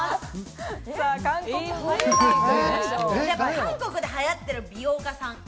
韓国で流行ってる美容家さん。